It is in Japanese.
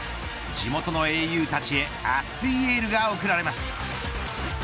地元の英雄たちへ熱いエールが送られます。